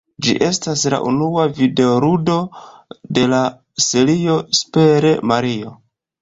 Ĝi estas la unua videoludo de la serio "Super Mario".